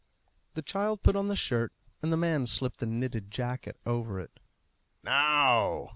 The child put on the shirt, and the man slipped the knitted jacket over it. "Now...."